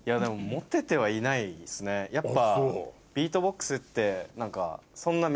やっぱ。